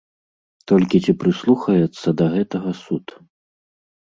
Толькі ці прыслухаецца да гэтага суд?